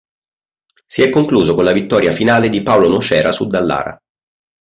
Si è concluso con la vittoria finale di Paolo Nocera su Dallara.